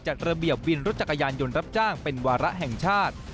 จัดระเบียบวินรถจักรยานยนต์รับจ้างเป็นวาระแห่งชาติ